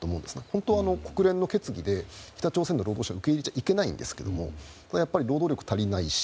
本当は国連の決議で北朝鮮の労働者は受け入れちゃいけないんですが労働力が足りないし